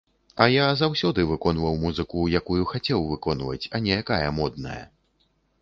А я заўсёды выконваў музыку, якую хацеў выконваць, а не якая модная.